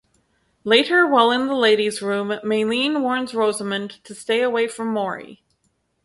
Later, while in the ladies' room, Mayleen warns Rosamond to stay away from Maury.